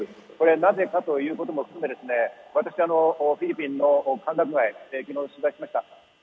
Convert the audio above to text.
それ、なぜかということも含めてですね、私、フィリピンの歓楽街、昨日取材しました。